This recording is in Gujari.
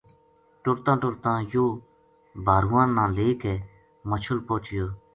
ٹُرتاں ٹُرتاں یوہ بھارواں نا لے کے مچھل پوہچھیو۔